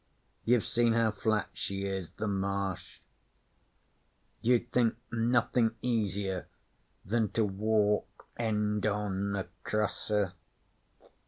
You've seen how flat she is the Marsh? You'd think nothin' easier than to walk eend on acrost her?